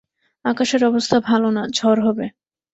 আকাশের অবস্থা ভালো না, ঝড় হবে।